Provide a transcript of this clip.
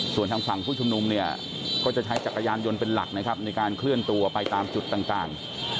ส่วนทางฝั่งผู้ชุมนุมเนี่ยก็จะใช้จักรยานยนต์เป็นหลักนะครับในการเคลื่อนตัวไปตามจุดต่าง